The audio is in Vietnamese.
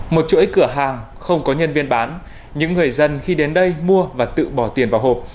một chuỗi cửa hàng không có nhân viên bán những người dân khi đến đây mua và tự bỏ tiền vào hộp